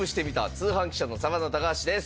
通販記者のサバンナ高橋です。